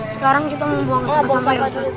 sekarang kita mau buang ke tempat sampah ya ustadz